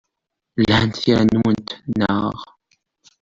Lhant tira-nwent, naɣ?